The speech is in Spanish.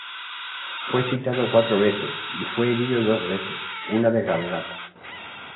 Fue citado cuatro veces, y fue herido dos veces, una de gravedad.